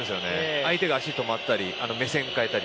相手が足が止まったり目線を変えたり。